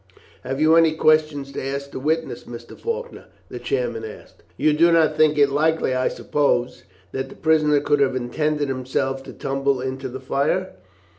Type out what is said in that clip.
"Have you any questions to ask the witness, Mr. Faulkner?" the chairman asked. "You do not think it likely, I suppose, that the prisoner could have intended himself to tumble into the fire?"